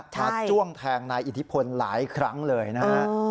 จ้วงแทงนายอิทธิพลหลายครั้งเลยนะฮะ